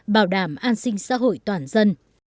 bảo đảm an sinh xã hội toàn dân